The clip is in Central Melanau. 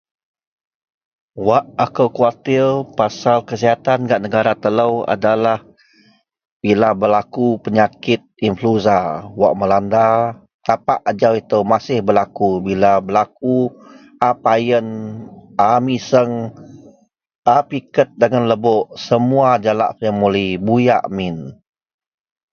Wak ako khuatir pasel kesihatan gak negara telo adalah bila belaku penyakit influenza wak melanda tapak ajau ito masih berlaku, bila berlaku a payen, a miseng, a piked dagen lebok semua jalak family buyak min.